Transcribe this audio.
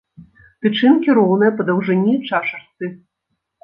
Тычынкі роўныя па даўжыні чашачцы.